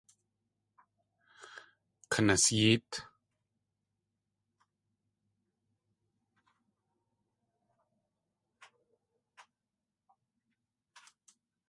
Kanasyéet!